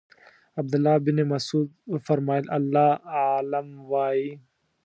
عبدالله ابن مسعود وفرمایل الله اعلم وایئ.